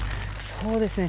そうですね。